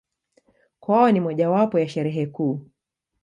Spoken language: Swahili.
Kwao ni mojawapo ya Sherehe kuu.